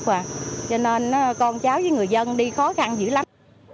cho nên con cháu với người dân đi khó khăn dữ lắm